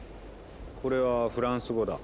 これはフランス語だ。